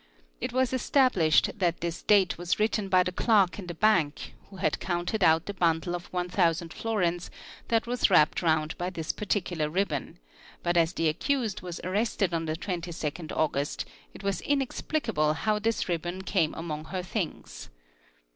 It v as established that this date was written by the clerk in the bank who d counted out the bundle of 1,000 florins that was wrapped round by i 3 particular ribbon, but as the accused was arrested on the 22nd gust it was inexplicable how this ribbon came among her things.